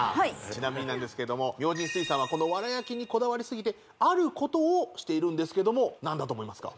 ちなみになんですけれども明神水産はこの藁焼きにこだわりすぎてあることをしているんですけども何だと思いますか？